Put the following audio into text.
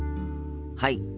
はい。